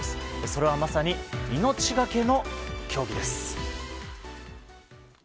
それは、まさに命がけの競技です。